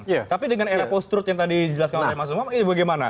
ya tapi dengan era post truth yang tadi dijelaskan oleh mas umam ini bagaimana